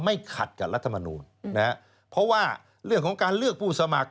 ขัดกับรัฐมนูลนะฮะเพราะว่าเรื่องของการเลือกผู้สมัคร